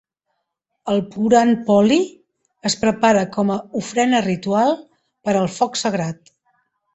El puran poli es prepara com a ofrena ritual per al foc sagrat.